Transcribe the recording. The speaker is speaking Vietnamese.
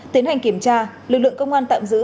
tiến hành kiểm tra lực lượng công an tạm giữ